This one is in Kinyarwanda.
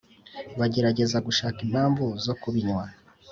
bagerageza gushaka impamvu zo kubinywa.